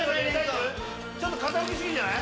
ちょっと傾き過ぎじゃない？